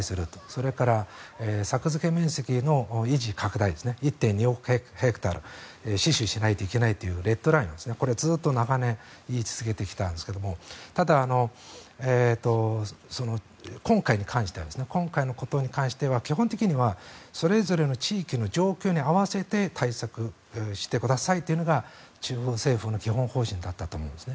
それから作付け面積の維持・拡大１．２億ヘクタール死守しないといけないというレッドラインをずっと長年、言い続けてきたんですがただ、今回のことに関しては基本的にはそれぞれの地域の状況に合わせて対策してくださいというのが中央政府の基本方針だったと思うんです。